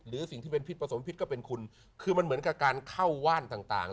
หรือสิ่งที่เป็นพิษผสมพิษก็เป็นคุณคือมันเหมือนกับการเข้าว่านต่าง